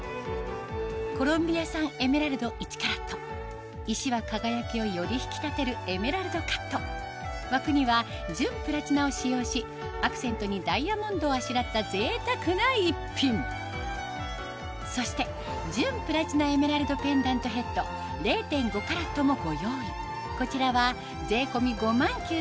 コロンビア産エメラルド１カラット石は輝きをより引き立てるエメラルドカット枠には純プラチナを使用しアクセントにダイヤモンドをあしらった贅沢な一品そして純プラチナエメラルドペンダントヘッド０．５カラットもご用意